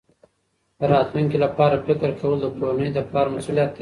د راتلونکي لپاره فکر کول د کورنۍ د پلار مسؤلیت دی.